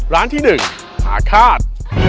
ร้านที่๑อาฆาต